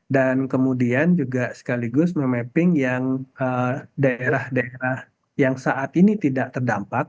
dan kemudian juga sekaligus memapping yang daerah daerah yang saat ini tidak terdampak